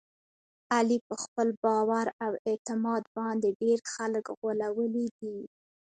علي په خپل باور او اعتماد باندې ډېر خلک غولولي دي.